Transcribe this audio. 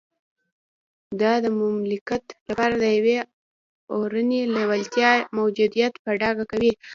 دا د ملکیت لپاره د یوې اورنۍ لېوالتیا موجودیت په ډاګه کوي